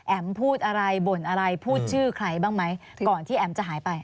พูดอะไรบ่นอะไรพูดชื่อใครบ้างไหมก่อนที่แอ๋มจะหายไป